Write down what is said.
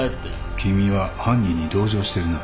君は犯人に同情してるな。